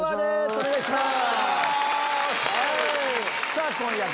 お願いします